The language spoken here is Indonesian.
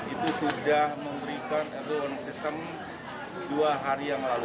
itu sudah memberikan early warning system dua hari yang lalu